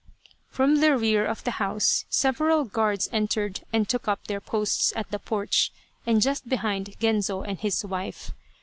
" From the rear of the house several guards entered 206 Loyal, Even Unto Death and took up their posts at the porch, and just behind Genzo and his wife.